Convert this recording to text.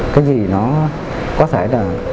cái gì nó có thể là